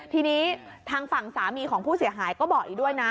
ทีนี้ทางฝั่งสามีของผู้เสียหายก็บอกอีกด้วยนะ